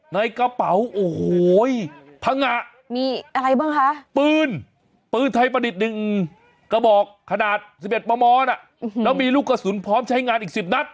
ในกระเป๋าโอ้โหพังงะมีอะไรบ้างคะปืนปืนไทยประดิษฐ์๑กระบอกขนาด๑๑มมแล้วมีลูกกระสุนพร้อมใช้งานอีก๑๐นัด